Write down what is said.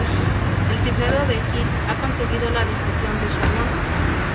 El cifrado de Hill ha conseguido la difusión de Shannon.